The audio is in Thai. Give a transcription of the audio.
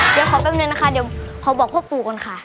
เดี๋ยวขอแป๊บนึงนะคะเดี๋ยวขอบอกพ่อปู่ก่อนค่ะ